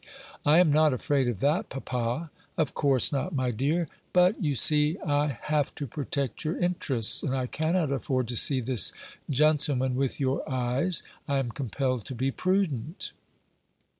"I am not afraid of that, papa." "Of course not, my dear. But, you see, I have to protect your interests; and I cannot afford to see this gentleman with your eyes. I am compelled to be prudent."